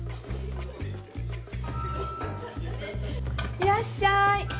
いらっしゃい。